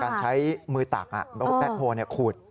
การใช้มือตักแป๊กโพลขุด